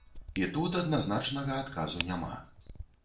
І тут адназначнага адказу няма.